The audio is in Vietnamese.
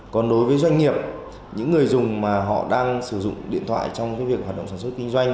còn đối với doanh nghiệp những người dùng mà họ đang sử dụng điện thoại trong việc hoạt động sản xuất kinh doanh